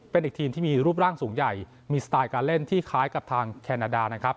เป็นอีกทีมที่มีรูปร่างสูงใหญ่มีสไตล์การเล่นที่คล้ายกับทางแคนาดานะครับ